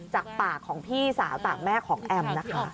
จากปากของพี่สาวต่างแม่ของแอมนะคะ